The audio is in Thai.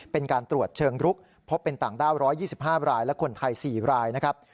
เป็นการตรวจเชิงรุกพบเป็นต่างด้าว๑๒๕รายและคนไทย๔รายนะครับ